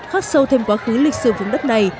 khắc sâu thêm quá khứ lịch sử vững đất này